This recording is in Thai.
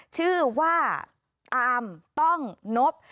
ชื่อว่าอามต้องนบ